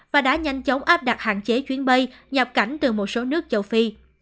và đã nhanh chóng áp đặt hạn chế chuyến bay nhập cảnh từ một số nước châu phi